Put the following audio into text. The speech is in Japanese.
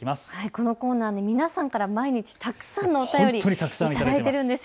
このコーナーに皆さんから毎日たくさんのお便りを頂いているんです。